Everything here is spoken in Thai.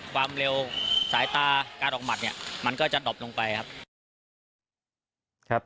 ความเร็วสายตาการออกหมัดเนี่ยมันก็จะดบลงไปครับ